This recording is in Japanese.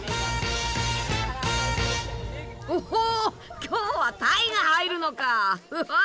おっほ今日はタイが入るのか！